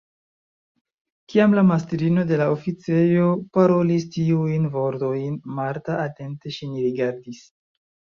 Kiam la mastrino de la oficejo parolis tiujn vortojn, Marta atente ŝin rigardis.